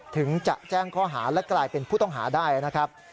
ถึงจะแจ้งข้อหาและกลายเป็นผู้ต้องหาได้นะครับ